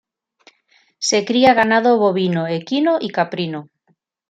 Se cría ganado bovino, equino y caprino.